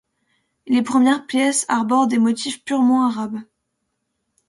Les premières pièces arborent des motifs purement arabes.